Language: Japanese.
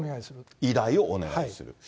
依頼をお願いする。